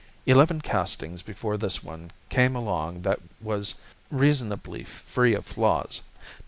Eleven castings before this one came along that was reasonably free of flaws.